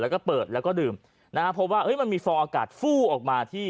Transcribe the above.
แล้วก็เปิดแล้วก็ดื่มนะฮะเพราะว่ามันมีฟองอากาศฟู้ออกมาที่